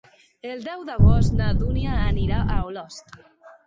El deu d'agost na Dúnia anirà a Olost.